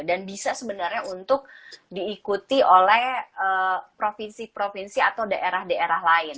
dan bisa sebenarnya untuk diikuti oleh provinsi provinsi atau daerah daerah lain